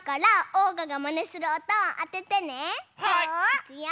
いくよ。